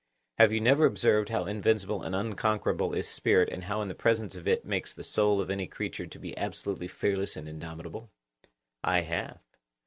Have you never observed how invincible and unconquerable is spirit and how the presence of it makes the soul of any creature to be absolutely fearless and indomitable? I have.